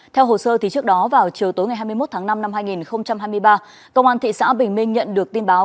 theo hồ sơ trước đó vào chiều tối ngày hai mươi một tháng năm năm hai nghìn hai mươi ba công an thị xã bình minh nhận được tin báo